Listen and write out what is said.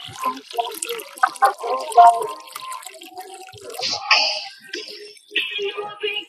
যেদিন বাবু খুন হলো, আগের রাতে আমার সঙ্গে অনেকক্ষণ কথা হয়েছিল।